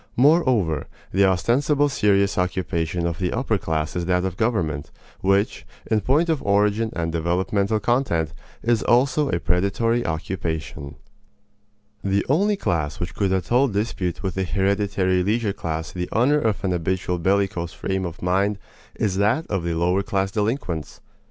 Moreover, the ostensible serious occupation of the upper class is that of government, which, in point of origin and developmental content, is also a predatory occupation. The only class which could at all dispute with the hereditary leisure class the honor of an habitual bellicose frame of mind is that of the lower class delinquents.